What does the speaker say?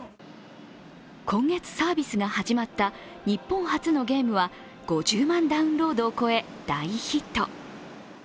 今月サービスが始まった日本初のゲームは５０万ダウンロードを超え大ヒット。